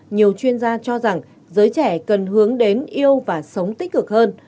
nhiều chuyên gia cho rằng giới trẻ cần hướng đến yêu và sống tích cực hơn